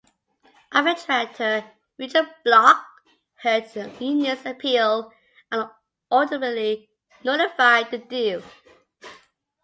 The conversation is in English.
Arbitrator Richard Bloch heard the union's appeal, and ultimately nullified the deal.